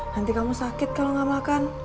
nanti kamu sakit kalau gak makan